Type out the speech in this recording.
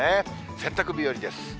洗濯日和です。